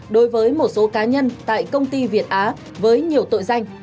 đối với một số cá nhân tại công ty việt á với nhiều tội danh